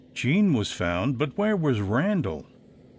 _ JEAN was found, but where was Randal?